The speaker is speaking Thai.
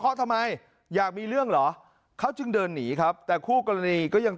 เพราะทำไมอยากมีเรื่องเหรอเขาจึงเดินหนีครับแต่คู่กรณีก็ยัง